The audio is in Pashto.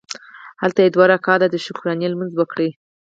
هلته یې دوه رکعته د شکرانې لمونځ وکړ.